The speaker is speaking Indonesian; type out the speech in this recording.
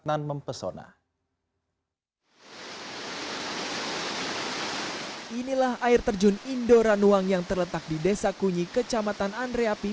inilah air terjun indoranuang yang terletak di desa kunyi kecamatan andreapi